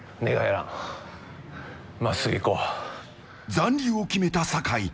残留を決めた酒井。